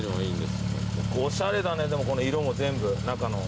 おしゃれだねこの色も全部中の。